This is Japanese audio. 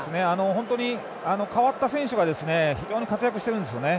本当に代わった選手が非常に活躍しているんですね。